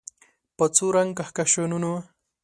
په څو رنګ کهکشانونه